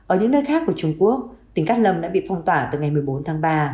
ở những nơi khác của trung quốc tỉnh cát lâm đã bị phong tỏa từ ngày một mươi bốn tháng ba